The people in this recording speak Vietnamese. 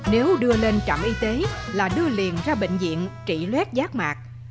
nếu đưa lên trạm y tế là đưa liền ra bệnh viện trị luét giác mặt